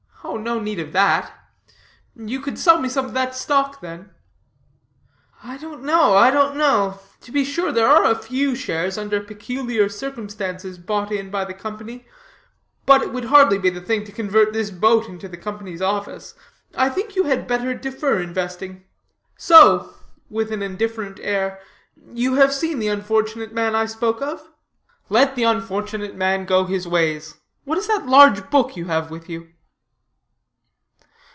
"Oh, no need of that. You could sell me some of that stock, then?" "I don't know, I don't know. To be sure, there are a few shares under peculiar circumstances bought in by the Company; but it would hardly be the thing to convert this boat into the Company's office. I think you had better defer investing. So," with an indifferent air, "you have seen the unfortunate man I spoke of?" "Let the unfortunate man go his ways. What is that large book you have with you?"